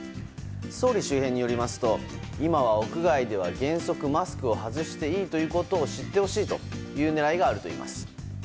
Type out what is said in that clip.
総理周辺によりますと今は屋外では原則マスクを外していいと知ってほしいという狙いがあるといいます。